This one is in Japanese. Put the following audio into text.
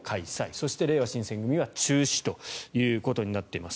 そして、れいわ新選組は中止ということになっています。